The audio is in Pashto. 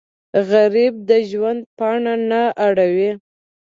غریب د ژوند پاڼه نه اړوي